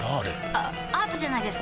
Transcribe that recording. あアートじゃないですか？